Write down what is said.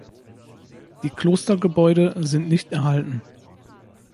Die Klostergebäude sind nicht erhalten.